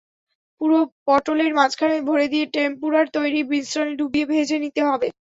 পুর পটোলের মাঝখানে ভরে দিয়ে টেম্পুরার তৈরি মিশ্রণে ডুবিয়ে ভেজে নিতে হবে।